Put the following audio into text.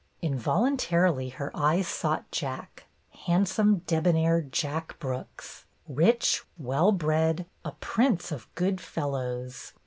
Involuntarily her eyes sought Jack, — hand some, debonair Jack Brooks, rich, well bred, a prince of good fellows.